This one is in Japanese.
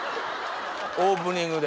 オープニングで。